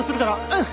うん！